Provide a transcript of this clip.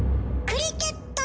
クリケット？